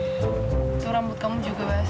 itu rambut kamu juga mas